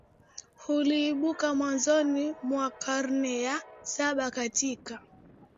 uliibuka mwanzoni mwa karne ya saba katika